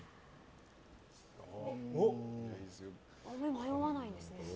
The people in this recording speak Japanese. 迷わないんですね。